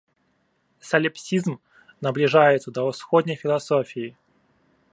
Саліпсізм набліжаецца да ўсходняй філасофіі.